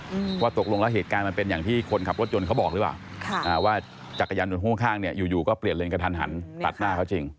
เพราะตกลงแล้วเหตุการณ์มันเป็นอย่างที่คนขับรถยนต์เขาบอกดีกว่าว่าจักรยานยนต์พ่วงข้างเนี่ยอยู่ก็เปลี่ยนเลยกันทันหันตัดหน้าเขาจริง